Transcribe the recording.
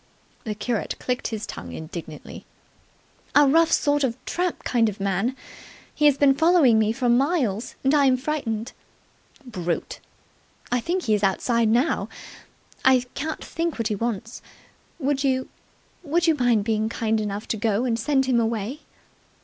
The curate clicked his tongue indignantly. "A rough sort of a tramp kind of man. He has been following me for miles, and I'm frightened." "Brute!" "I think he's outside now. I can't think what he wants. Would you would you mind being kind enough to go and send him away?"